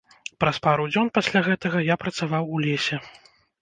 Праз пару дзён пасля гэтага я працаваў у лесе.